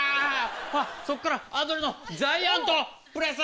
そこからアンドレのジャイアントプレス！